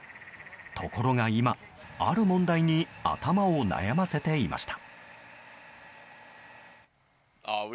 ところが今、ある問題に頭を悩ませていました。